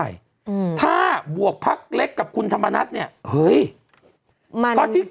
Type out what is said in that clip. อย่าลืมคุณธรรมนัฐก็ไป๑๘